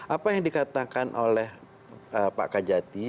apa yang dikatakan oleh pak kajati